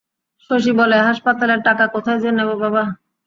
শশী বলে, হাসপাতালের টাকা কোথায় যে নেব বাবা?